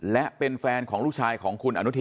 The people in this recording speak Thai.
และเป็นแฟนของลูกชายของคุณอนุทิน